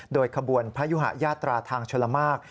โดยขบวนพยุหะยาตราทางชลมาก